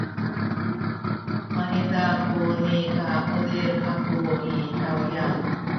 mahiza ku nikauzip aku i tawya.